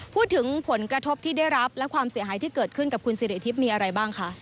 พูดถึงผลกระทบที่ได้รับและความเสียหายที่เกิดขึ้นกับคุณสิริทิพย์มีอะไรบ้างคะ